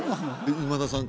今田さん